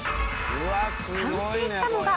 完成したのが。